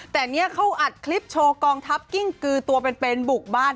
แต่เนี่ยเขาอัดคลิปโชว์กองทัพกิ้งกือตัวเป็นบุกบ้าน